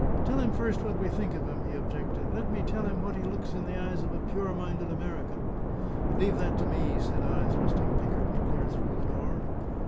"Tell him first what we think of him," he objected. "Let me tell him what he looks in the eyes of a pure minded American" "Leave that to me," said I, thrusting Pinkerton clear through the door.